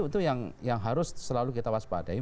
itu yang harus selalu kita waspadai